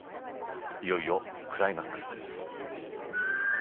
いよいよクライマックスです。